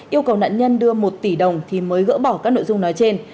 yêu cầu nạn nhân đưa một tỷ đồng thì mới gỡ bỏ các nội dung nói trên